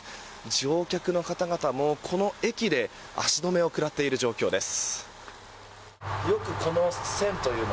乗客の方々も、この駅で足止めを食らっている状況です。